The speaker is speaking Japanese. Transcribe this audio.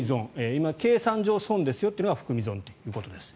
今、計算上、損ですよというのが含み損ということです。